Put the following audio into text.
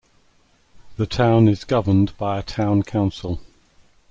The town is governed by a Town Council.